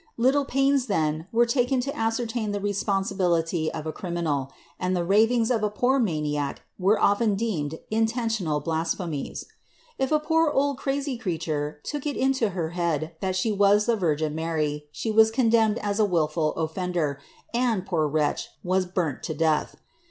Little pains, then, were taken to ascertain the responsibility of a criminal ; and tlie ravings of a poor maniac were often deemed intentional blasphemies. If a poor old crazy creature took it into her head that she was the Virgin Mary, she was condemned as a wilful ofiender, and, poor wretch, was burnt to death